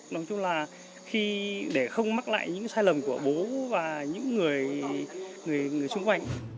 nói chung là khi để không mắc lại những sai lầm của bố và những người xung quanh